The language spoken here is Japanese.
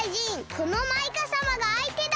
このマイカさまがあいてだ！